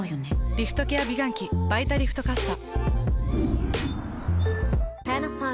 リフトケア美顔器「バイタリフトかっさ」。